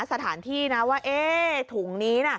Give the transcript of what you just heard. สถานที่นะว่าเอ๊ถุงนี้